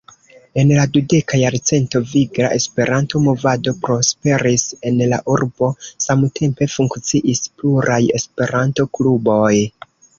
En la dudeka jarcento vigla Esperanto-movado prosperis en la urbo, samtempe funkciis pluraj Esperanto-kluboj.